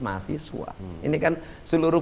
mahasiswa ini kan seluruh